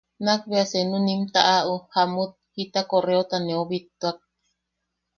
Nak be senu nim taʼaʼu jamut jita correota neu bittuak.